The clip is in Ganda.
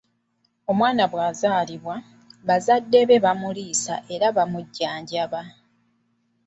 Omwana bw'azalibwa, bazadde be bamuliisa era bamujjanjaba.